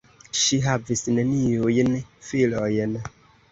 Ŝi havis neniujn filojn.